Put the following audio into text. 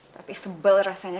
tapi sebel rasanya